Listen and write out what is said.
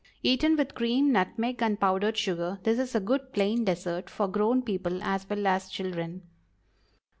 Eaten with cream, nutmeg, and powdered sugar, this is a good plain dessert for grown people as well as children.